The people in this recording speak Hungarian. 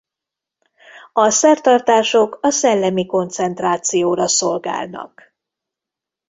A szertartások a szellemi koncentrációra szolgálnak.